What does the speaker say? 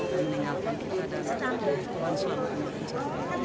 dan meninggalkan kita dan kelanjutan anak anak kita